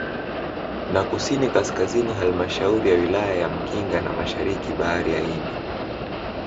Na Kusini Kaskazini Halmashauri ya Wilaya ya Mkinga na Mashariki bahari ya Hindi